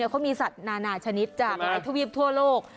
ก็มีสัตว์นานาชนิดทั่วโลก